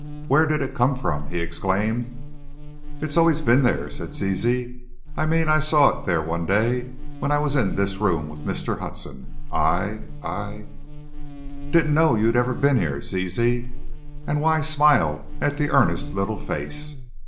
"Where did it come from?" he exclaimed. "It's always been there," said Zizi. "I mean, I saw it there one day when I was in this room with Mr. Hudson, I I " "Didn't know you'd ever been here, Ziz," and Wise smiled at the earnest little face.